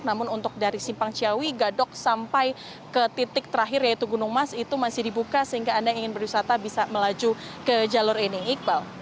namun untuk dari simpang ciawi gadok sampai ke titik terakhir yaitu gunung mas itu masih dibuka sehingga anda ingin berwisata bisa melaju ke jalur ini iqbal